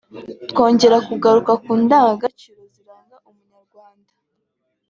twongera kugaruka ku ndangagaciro ziranga umunyarwanda